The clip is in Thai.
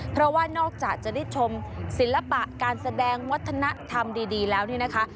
เพราะว่านอกจากจะได้ชมศิลปะการแสดงวัฒนธรรมดีแล้วนี่นะคะ